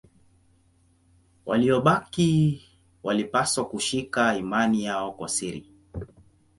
Waliobaki walipaswa kushika imani yao kwa siri.